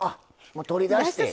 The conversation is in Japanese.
もう取り出して？